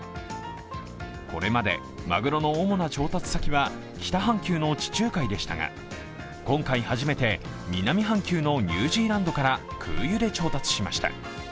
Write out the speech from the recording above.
これまで、まぐろの主な調達先は北半球の地中海でしたが今回初めて南半球のニュージーランドから空輸で調達しました。